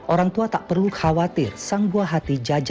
orang tua tak perlu khawatir sang buah hati jajan